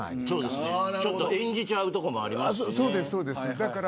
ちょっと演じちゃうところもありますよね。